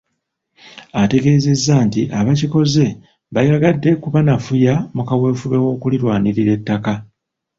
Ategeeza nti abaakikoze baayagadde kubanafuya mu kaweefube w'okulirwanirira ettaka.